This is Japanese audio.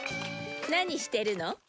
何してるの？